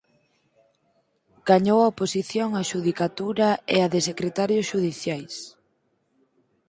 Gañou a oposición á Xudicatura e á de Secretarios xudiciais.